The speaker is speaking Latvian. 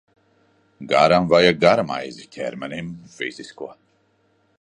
Garam vajag Gara maizi, ķermenim – fizisko.